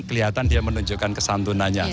kelihatan dia menunjukkan kesantunannya